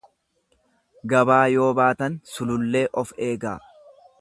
Gabaa yoo baatan sulullee of eegaa.